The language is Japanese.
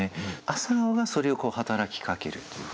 「朝顔」がそれを働きかけるという。